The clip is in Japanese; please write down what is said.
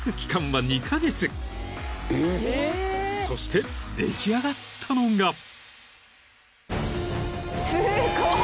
［そして出来上がったのが］